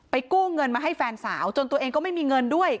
กู้เงินมาให้แฟนสาวจนตัวเองก็ไม่มีเงินด้วย